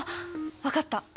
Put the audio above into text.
分かった！